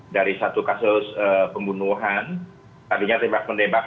dari satu kasus pembunuhan tadinya tembak menembak